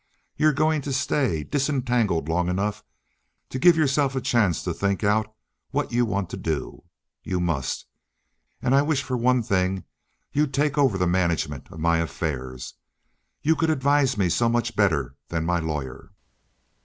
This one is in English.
"You're going to stay disentangled long enough to give yourself a chance to think out what you want to do. You must. And I wish for one thing you'd take over the management of my affairs. You could advise me so much better than my lawyer."